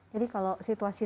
jadi kalau situasi